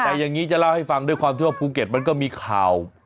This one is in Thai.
แต่อย่างนี้จะเล่าให้ฟังด้วยความที่ว่าภูเก็ตมันก็มีข่าว